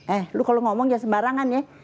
eh lo kalau ngomong jangan sembarangan ya